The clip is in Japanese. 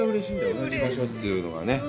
同じ場所というのがね。